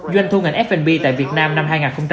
doanh thu ngành f b tại việt nam năm hai nghìn hai mươi ba